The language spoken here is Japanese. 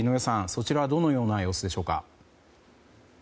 そちらはどのような様子でしょうか。